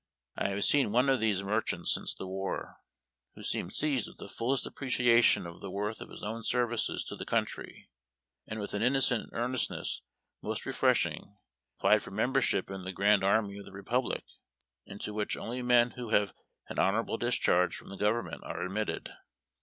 I have seen one of these merchants since the war, who seemed seized with tlie fullest appreciation of the worth of his own services to the country, and, with an innocent earnestness most refreshing, applied for membership in the Grand Army of the Republic, into which only men who have an honorable discharge from the government are admitted.